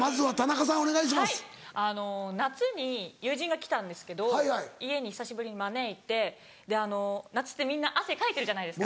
はいあの夏に友人が来たんですけど家に久しぶりに招いて夏ってみんな汗かいてるじゃないですか。